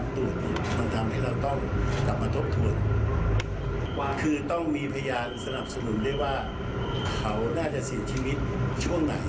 ตอนนี้พี่น้องซูอาสนับสนุนได้ว่าเขาน่าจะเสียชีวิตช่วงไหน